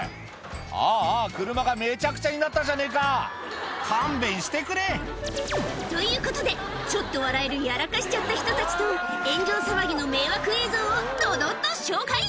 あーあー、車がめちゃくちゃになったじゃねえか、勘弁してくれ！ということで、ちょっと笑えるやらかしちゃった人たちと、炎上騒ぎの迷惑映像をどどっと紹介。